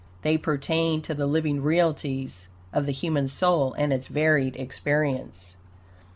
They pertain to the living realities of the human soul and its varied experience.